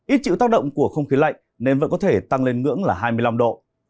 ít chịu tác động của không khí lạnh nên vẫn có thể tăng lên ngưỡng là hai mươi năm độ